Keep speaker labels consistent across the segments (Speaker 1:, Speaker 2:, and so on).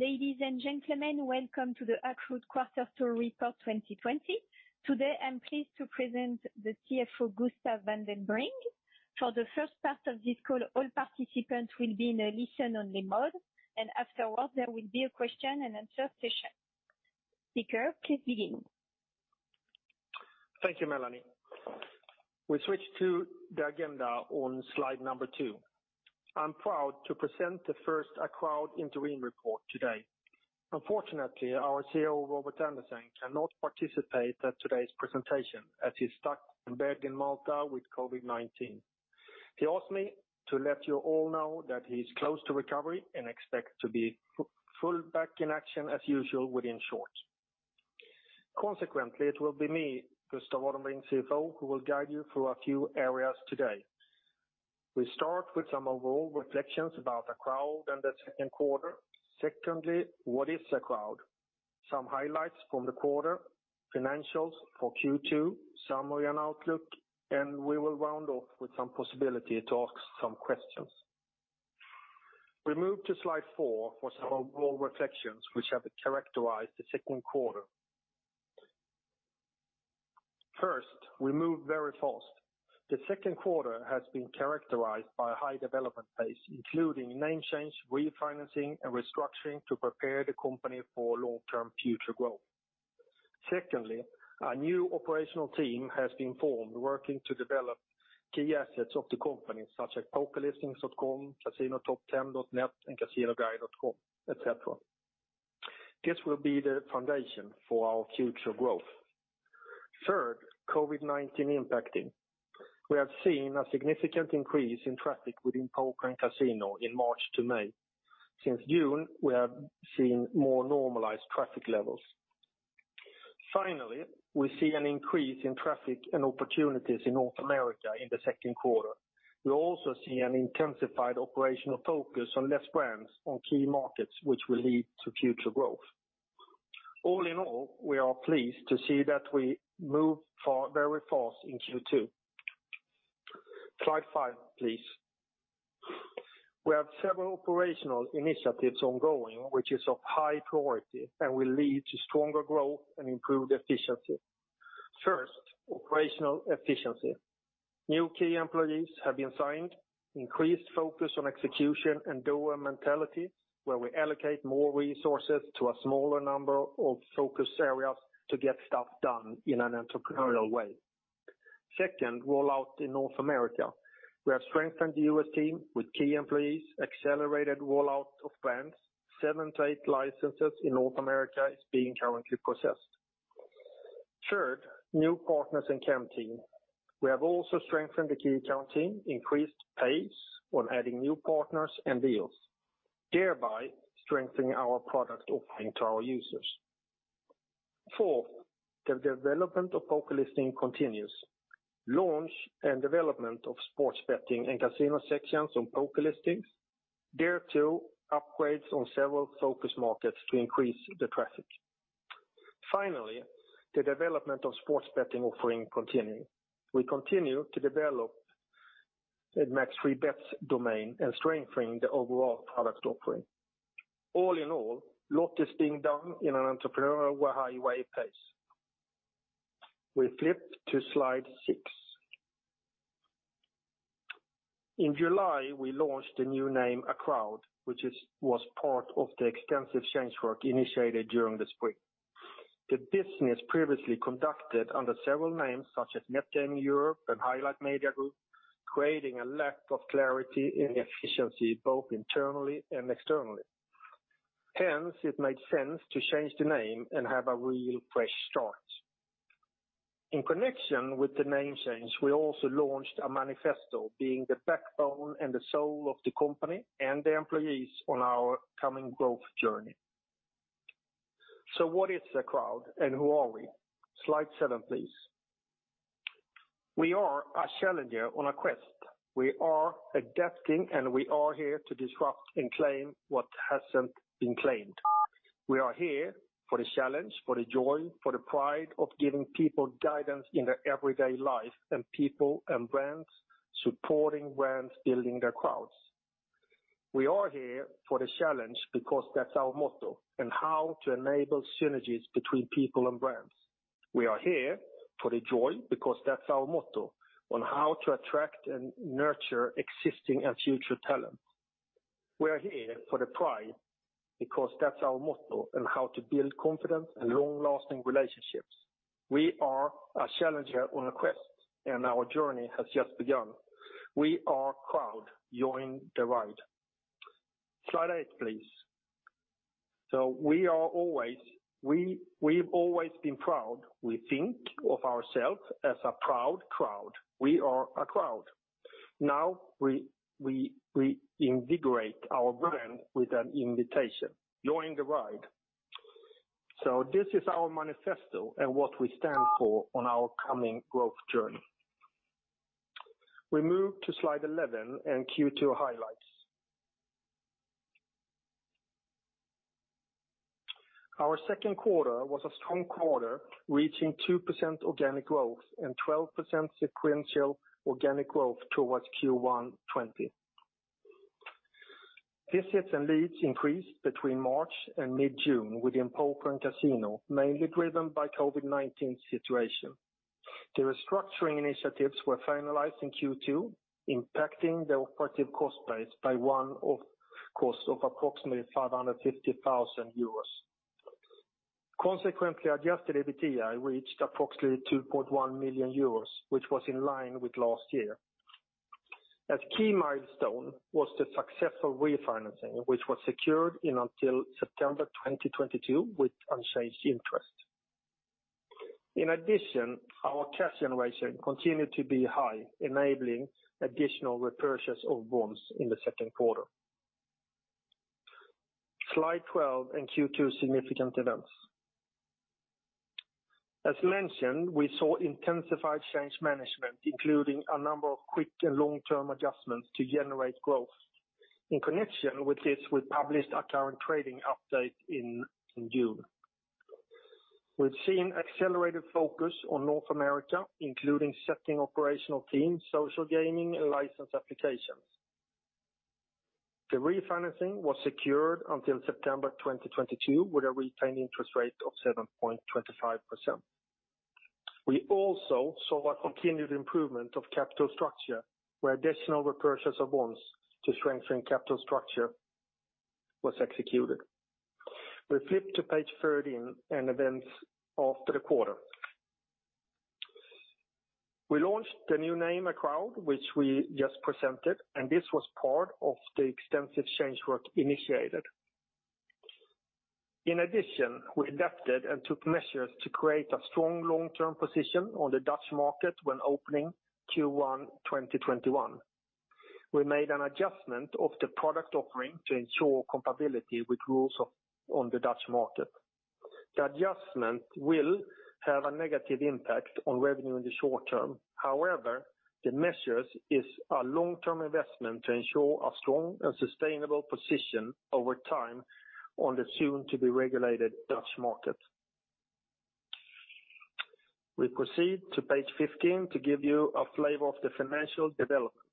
Speaker 1: Ladies and gentlemen, welcome to the Acroud Quarterly Report 2020. Today, I'm pleased to present the CFO, Gustav Vadenbring. For the first part of this call, all participants will be in a listen-only mode, and afterwards, there will be a question-and-answer session. Speaker, please begin.
Speaker 2: Thank you, Melanie. We switch to the agenda on slide number two. I'm proud to present the first Acroud Interim Report today. Unfortunately, our CEO, Robert Andersson, cannot participate at today's presentation as he's stuck and back in Malta with COVID-19. He asked me to let you all know that he's close to recovery and expects to be fully back in action as usual within short. Consequently, it will be me, Gustav Vadenbring, CFO, who will guide you through a few areas today. We start with some overall reflections about Acroud and the second quarter. Secondly, what is Acroud? Some highlights from the quarter, financials for Q2, summary and outlook, and we will round off with some possibility to ask some questions. We move to slide four for some overall reflections which have characterized the second quarter. First, we move very fast. The second quarter has been characterized by a high development pace, including name change, refinancing, and restructuring to prepare the company for long-term future growth. Secondly, a new operational team has been formed working to develop key assets of the company, such as PokerListings.com, CasinoTop10.net, and CasinoGuide.com, etc. This will be the foundation for our future growth. Third, COVID-19 impacting. We have seen a significant increase in traffic within poker and casino in March to May. Since June, we have seen more normalized traffic levels. Finally, we see an increase in traffic and opportunities in North America in the second quarter. We also see an intensified operational focus on less brands on key markets, which will lead to future growth. All in all, we are pleased to see that we move very fast in Q2. Slide five, please. We have several operational initiatives ongoing which are of high priority and will lead to stronger growth and improved efficiency. First, operational efficiency. New key employees have been signed, increased focus on execution, and doer mentality, where we allocate more resources to a smaller number of focus areas to get stuff done in an entrepreneurial way. Second, rollout in North America. We have strengthened the U.S. team with key employees, accelerated rollout of brands, seven to eight licenses in North America being currently processed. Third, new partners and account team. We have also strengthened the key account team, increased pace on adding new partners and deals, thereby strengthening our product offering to our users. Fourth, the development of PokerListings continues. Launch and development of sports betting and casino sections on PokerListings, there too, upgrades on several focus markets to increase the traffic. Finally, the development of sports betting offering continues. We continue to develop the MaxFreeBets domain and strengthening the overall product offering. All in all, a lot is being done in an entrepreneurial way pace. We flip to slide six. In July, we launched the new name Acroud, which was part of the extensive change work initiated during the spring. The business previously conducted under several names, such as Net Gaming Europe and Highlight Media Group, created a lack of clarity in efficiency, both internally and externally. Hence, it made sense to change the name and have a real fresh start. In connection with the name change, we also launched a manifesto being the backbone and the soul of the company and the employees on our coming growth journey. So what is Acroud and who are we? Slide seven, please. We are a challenger on a quest. We are adapting, and we are here to disrupt and claim what hasn't been claimed. We are here for the challenge, for the joy, for the pride of giving people guidance in their everyday life and people and brands, supporting brands, building their crowds. We are here for the challenge because that's our motto and how to enable synergies between people and brands. We are here for the joy because that's our motto on how to attract and nurture existing and future talent. We are here for the pride because that's our motto and how to build confidence and long-lasting relationships. We are a challenger on a quest, and our journey has just begun. We are proud. Join the ride. Slide eight, please. So we've always been proud. We think of ourselves as a proud crowd. We are a crowd. Now we invigorate our brand with an invitation. Join the ride. So this is our manifesto and what we stand for on our coming growth journey. We move to slide 11 and Q2 highlights. Our second quarter was a strong quarter, reaching 2% organic growth and 12% sequential organic growth towards Q1 2020. Visits and leads increased between March and mid-June within poker and casino, mainly driven by the COVID-19 situation. The restructuring initiatives were finalized in Q2, impacting the operative cost base by one-off cost of approximately 550,000 euros. Consequently, adjusted EBITDA reached approximately 2.1 million euros, which was in line with last year. A key milestone was the successful refinancing, which was secured until September 2022 with unchanged interest. In addition, our cash generation continued to be high, enabling additional repurchase of bonds in the second quarter. Slide 12 and Q2 significant events. As mentioned, we saw intensified change management, including a number of quick and long-term adjustments to generate growth. In connection with this, we published a current trading update in June. We've seen accelerated focus on North America, including setting operational teams, social gaming, and license applications. The refinancing was secured until September 2022 with a retained interest rate of 7.25%. We also saw a continued improvement of capital structure where additional repurchase of bonds to strengthen capital structure was executed. We flip to page 13 and events after the quarter. We launched the new name Acroud, which we just presented, and this was part of the extensive change work initiated. In addition, we adapted and took measures to create a strong long-term position on the Dutch market when opening Q1 2021. We made an adjustment of the product offering to ensure compatibility with rules on the Dutch market. The adjustment will have a negative impact on revenue in the short term. However, the measures are a long-term investment to ensure a strong and sustainable position over time on the soon-to-be-regulated Dutch market. We proceed to Page 15 to give you a flavor of the financial development.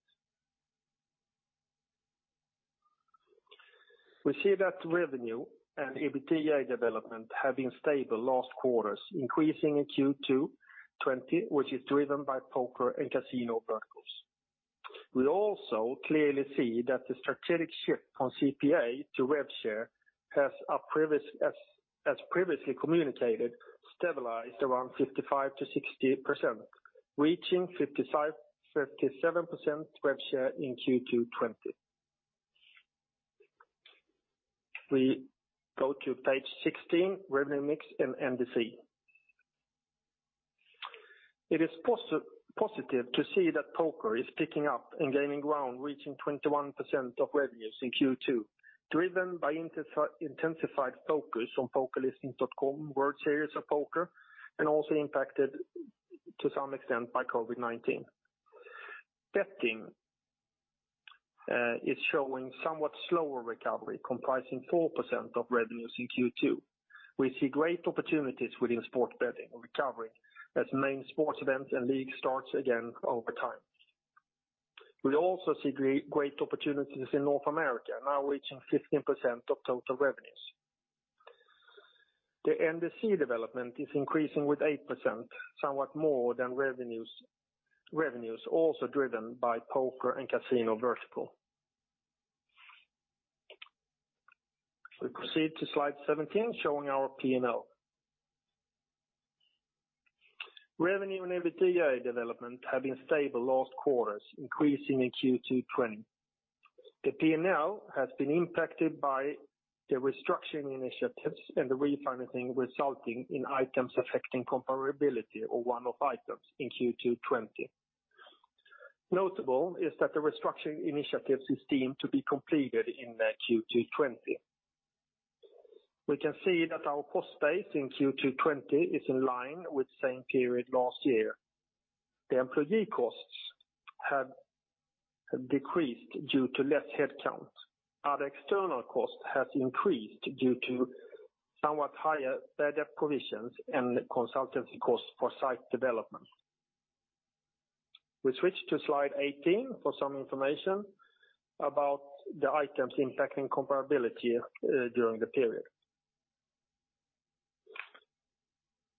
Speaker 2: We see that revenue and EBITDA development have been stable last quarter, increasing in Q2 2020, which is driven by poker and casino verticals. We also clearly see that the strategic shift from CPA to RevShare has, as previously communicated, stabilized around 55%-60%, reaching 57% RevShare in Q2 2020. We go to Page 16, revenue mix and NDC. It is positive to see that poker is picking up and gaining ground, reaching 21% of revenues in Q2, driven by intensified focus on PokerListings.com, World Series of Poker, and also impacted to some extent by COVID-19. Betting is showing somewhat slower recovery, comprising 4% of revenues in Q2. We see great opportunities within sports betting recovering as main sports events and league starts again over time. We also see great opportunities in North America, now reaching 15% of total revenues. The NDC development is increasing with 8%, somewhat more than revenues, also driven by poker and casino vertical. We proceed to slide 17, showing our P&L. Revenue and EBITDA development have been stable last quarter, increasing in Q2 2020. The P&L has been impacted by the restructuring initiatives and the refinancing resulting in items affecting comparability or one-off items in Q2 2020. Notable is that the restructuring initiatives is deemed to be completed in Q2 2020. We can see that our cost base in Q2 2020 is in line with the same period last year. The employee costs have decreased due to less headcount. Our external cost has increased due to somewhat higher bad debt provisions and consultancy costs for site development. We switch to Slide 18 for some information about the items impacting comparability during the period.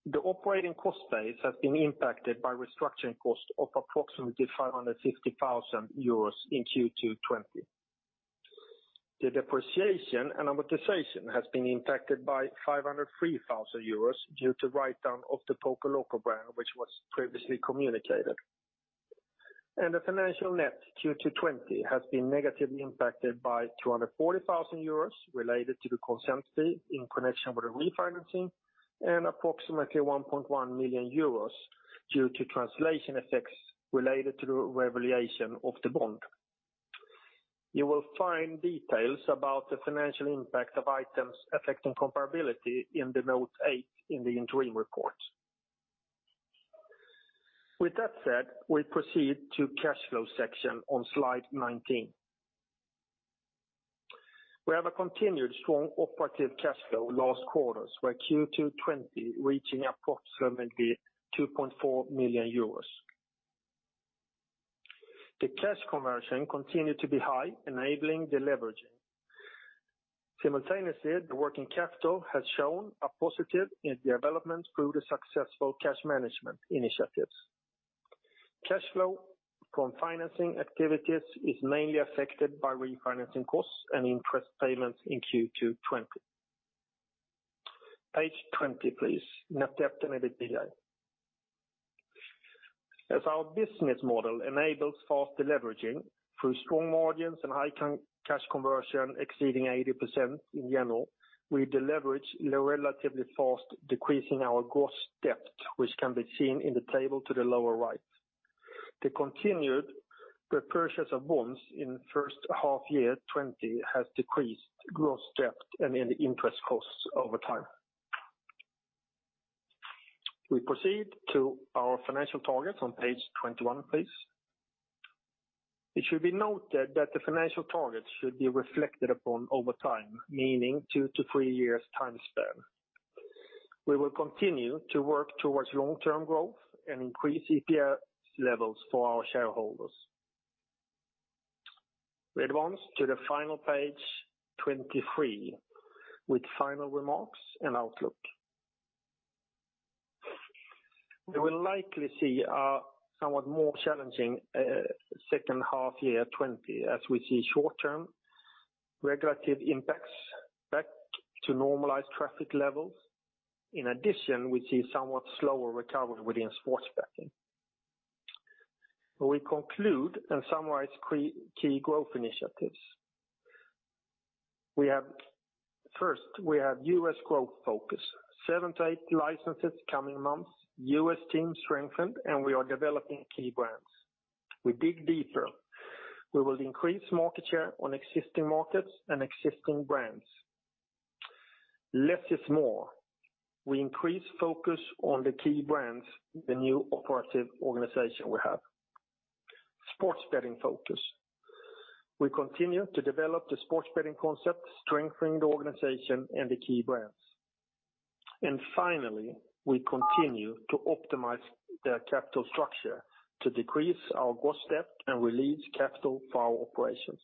Speaker 2: The operating cost base has been impacted by restructuring cost of approximately 550,000 euros in Q2 2020. The depreciation and amortization has been impacted by 503,000 euros due to write-down of the PokerLoco brand, which was previously communicated. The financial net Q2 2020 has been negatively impacted by 240,000 euros related to the consent fee in connection with the refinancing and approximately 1.1 million euros due to translation effects related to the revaluation of the bond. You will find details about the financial impact of items affecting comparability in the note eight in the interim report. With that said, we proceed to the cash flow section on slide 19. We have continued strong operating cash flow last quarter, where Q2 2020 reached approximately EUR 2.4 million. The cash conversion continued to be high, enabling the leverage. Simultaneously, the working capital has shown a positive development through the successful cash management initiatives. Cash flow from financing activities is mainly affected by refinancing costs and interest payments in Q2 2020. Page 20, please. Net debt and EBITDA. As our business model enables fast leverage through strong margins and high cash conversion exceeding 80% in general, we deleveraged relatively fast, decreasing our gross debt, which can be seen in the table to the lower right. The continued repurchase of bonds in the first half year 2020 has decreased gross debt and interest costs over time. We proceed to our financial targets on Page 21, please. It should be noted that the financial targets should be reflected upon over time, meaning two to three years' time span. We will continue to work towards long-term growth and increase EPS levels for our shareholders. We advance to the final Page, 23, with final remarks and outlook. We will likely see a somewhat more challenging second half year 2020, as we see short-term regulatory impacts back to normalized traffic levels. In addition, we see somewhat slower recovery within sports betting. We conclude and summarize key growth initiatives. First, we have U.S. growth focus. Seven to eight licenses coming months, U.S. team strengthened, and we are developing key brands. We dig deeper. We will increase market share on existing markets and existing brands. Less is more. We increase focus on the key brands, the new operative organization we have. Sports betting focus. We continue to develop the sports betting concept, strengthening the organization and the key brands. Finally, we continue to optimize the capital structure to decrease our gross debt and release capital for our operations.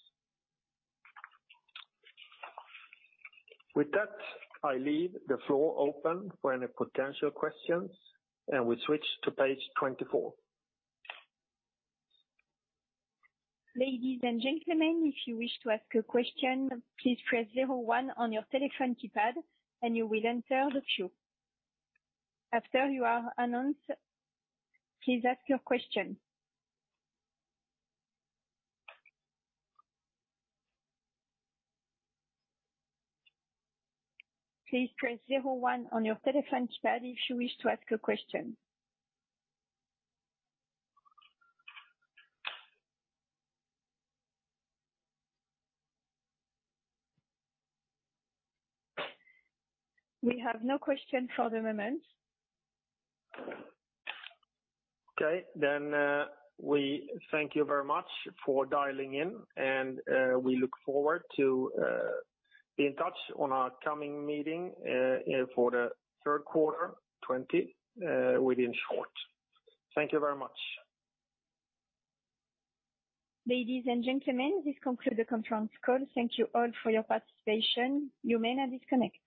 Speaker 2: With that, I leave the floor open for any potential questions, and we switch to Page 24.
Speaker 1: Ladies and gentlemen, if you wish to ask a question, please press zero one on your telephone keypad, and you will enter the queue. After you are announced, please ask your question. Please press zero one on your telephone keypad if you wish to ask a question. We have no questions for the moment. Okay.
Speaker 2: Then we thank you very much for dialing in, and we look forward to being in touch on our coming meeting for the third quarter 2020 within short. Thank you very much.
Speaker 1: Ladies and gentlemen, this concludes the conference call. Thank you all for your participation. You may now disconnect.